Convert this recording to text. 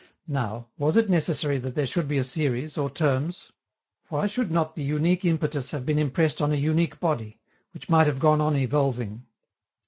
Now, was it necessary that there should be a series, or terms? Why should not the unique impetus have been impressed on a unique body, which might have gone on evolving?